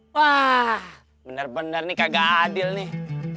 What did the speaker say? wah bener bener nih kagak adil nih